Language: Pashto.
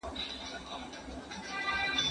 هغه څوک چي سبزیحات پاخوي روغ وي؟